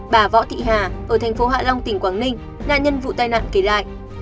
bà võ thị hà ở thành phố hạ long tỉnh quảng ninh nạn nhân vụ tai nạn kể lại